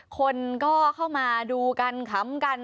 คนก็เข้ามาดูกันขำกัน